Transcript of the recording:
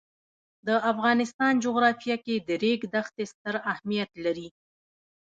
د افغانستان جغرافیه کې د ریګ دښتې ستر اهمیت لري.